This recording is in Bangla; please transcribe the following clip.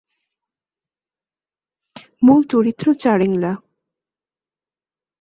মূল চরিত্র চারেংলা।